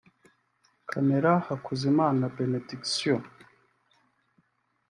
Camera Hakuzimana (Benediction Club)